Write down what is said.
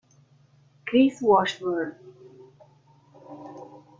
Chris Washburn